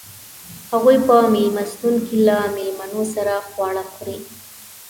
هغوئ په میلمستون کې له میلمنو سره خواړه خوري.